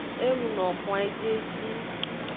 E luno xwan ejieji.